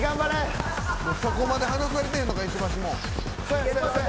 そこまで離されてんのか石橋も。